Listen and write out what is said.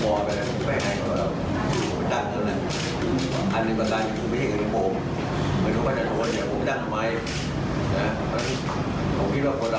ชื่อเสียงก็ดีแค่นั้นแหละ